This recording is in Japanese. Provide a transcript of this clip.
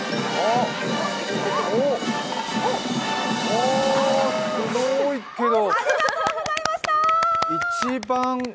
お、すごいけど。